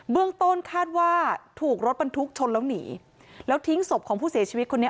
เรื่องต้นคาดว่าถูกรถบรรทุกชนแล้วหนีแล้วทิ้งศพของผู้เสียชีวิตคนนี้